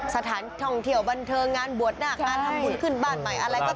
สถานท่องเที่ยวบันเทิงงานบวชหน้างานทำบุญขึ้นบ้านใหม่อะไรก็